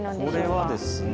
これはですね